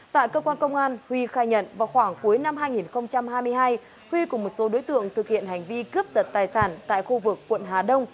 tại cơ quan công an huy khai nhận vào khoảng cuối năm hai nghìn hai mươi hai huy cùng một số đối tượng thực hiện hành vi cướp giật tài sản tại khu vực quận hà đông